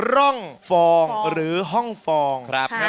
ร่องฟองหรือห้องฟองครับ